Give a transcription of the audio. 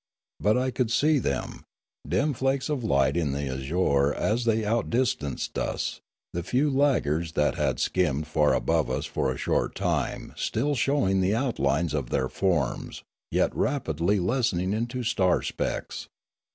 But I could see them, dim flakes of light in the azure as they outdistanced us, the few laggards that had skimmed above us for a short time still showing the outlines of their forms, yet rapidly lessening into star specks.